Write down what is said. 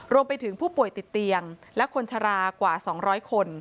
รวมไปถึงผู้ป่วยติดเตียงและคนชะลากว่า๒๐๐คน